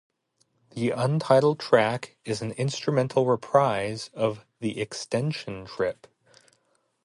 The untitled track is an instrumental reprise of "The Extension Trip".